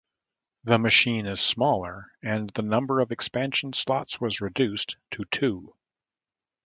The machine is smaller and the number of expansion slots was reduced to two.